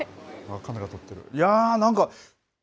カメラ撮ってる。